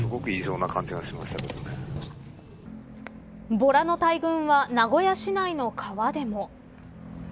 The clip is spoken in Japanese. ボラの大群は名古屋市内の川でも。